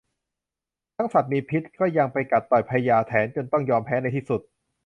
ทั้งสัตว์มีพิษก็ยังไปกัดต่อยพญาแถนจนต้องยอมแพ้ในที่สุด